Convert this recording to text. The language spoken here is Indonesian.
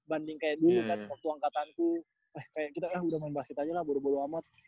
banding kayak dulu kan waktu angkatanku eh kayak kita udah main basket aja lah buru buru amat